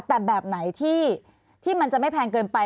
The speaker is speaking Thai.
แต่แบบไหนที่มันจะไม่แพงเกินไป